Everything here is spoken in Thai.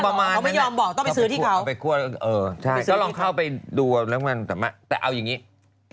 ทำอย่างแบบ๗๔ไปลงมายอมบอกต้องไปซื้อที่เขา